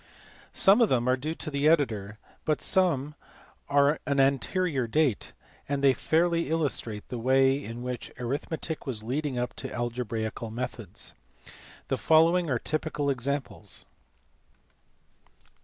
Some of them are due to the editor, but some are of an anterior date, and they fairly illustrate the way in which arithmetic was leading up to algebraical methods. The following are typical examples.